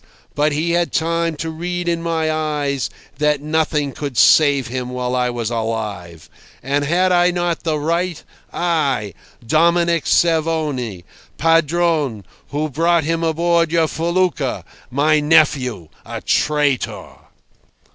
But he had time to read in my eyes that nothing could save him while I was alive. And had I not the right—I, Dominic Cervoni, Padrone, who brought him aboard your fellucca—my nephew, a traitor?"